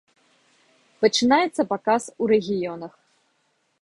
Пачынаецца паказ у рэгіёнах.